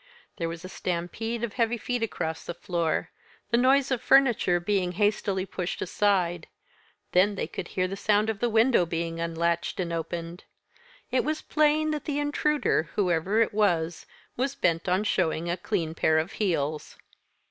There was a stampede of heavy feet across the floor; the noise of furniture being hastily pushed aside; then they could hear the sound of the window being unlatched, and opened. It was plain that the intruder, whoever it was, was bent on showing a clean pair of heels.